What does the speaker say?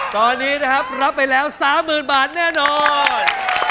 ตอนนี้นะครับรับไปแล้ว๓๐๐๐บาทแน่นอน